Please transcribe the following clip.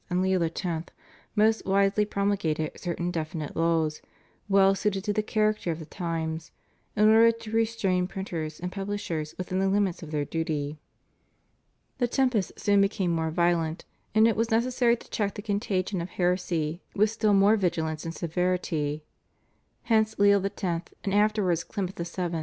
and Leo X., most wisely promulgated certain definite laws, well suited to the character of the times, in order to restrain printers and pubUshers within the limits of their duty. The tempest soon became more violent, and it was necessary to check the contagion of heresy with still more vigilance and severity. Hence Leo X., and afterwards Clement VII.